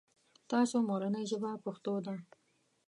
تاسو مورنۍ ژبه پښتو ده ؟